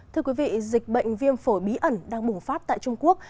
thưa quý vị dịch bệnh viêm phổi bí ẩn đang bùng phát tại trung quốc